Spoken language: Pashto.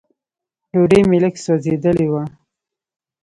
ډوډۍ مې لږ سوځېدلې وه.